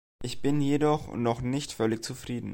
Ich bin jedoch noch nicht völlig zufrieden.